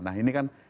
nah ini kan harus